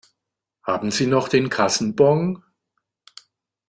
Haben Sie noch den Kassenbon?